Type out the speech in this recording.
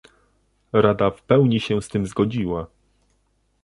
Rada w pełni się z tym zgodziła